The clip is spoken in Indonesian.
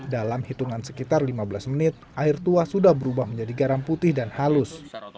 dalam hitungan sekitar lima belas menit air tua sudah berubah menjadi garam putih dan halus